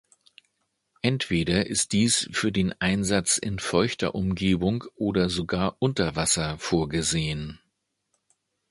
Entweder ist dies für den Einsatz in feuchter Umgebung oder sogar unter Wasser vorgesehen.